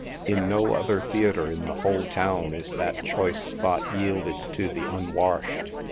In no other theatre in the whole town is that choice spot yielded to the un washed.